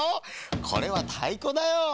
これはたいこだよ。